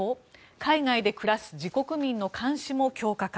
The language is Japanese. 海外で暮らす自国民の監視も強化か。